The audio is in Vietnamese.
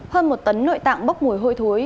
hơn một tấn nội tạng bốc mùi hôi thối